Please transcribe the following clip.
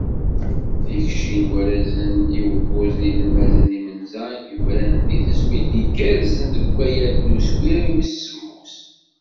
Tikci n warrazen i ukuẓ n yinelmaden imenza, i d-yufraren s tezmilt igerrzen deg ukayad n uswir wis semmus.